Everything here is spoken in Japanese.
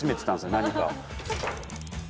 何かを。